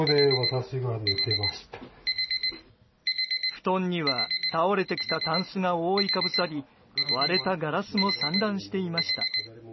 布団には倒れてきたタンスが覆いかぶさり割れたガラスも散乱していました。